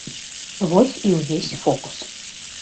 Вось і ўвесь фокус.